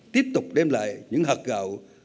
tiếp tục đem lại những hợp gạo